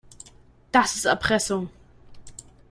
Das ist Erpressung.